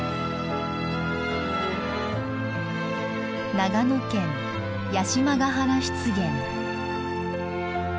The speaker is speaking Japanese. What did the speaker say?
長野県八島ヶ原湿原。